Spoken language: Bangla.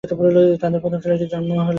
তাদের প্রথম ছেলেটির জন্মও হল এ-বাড়িতে।